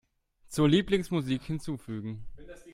Zur Lieblingsmusik hinzufügen.